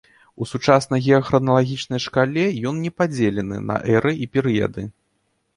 У сучаснай геахраналагічнай шкале ён не падзелены на эры і перыяды.